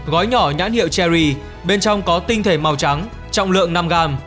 gói nhỏ nhãn hiệu cherry bên trong có tinh thể màu trắng trọng lượng năm gram